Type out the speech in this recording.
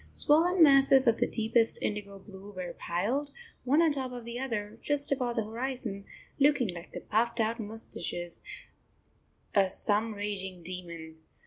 Swollen masses of the deepest indigo blue were piled, one on top of the other, just above the horizon, looking like the puffed out moustaches of some raging demon.